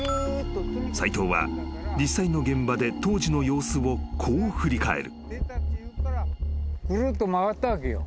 ［斎藤は実際の現場で当時の様子をこう振り返る］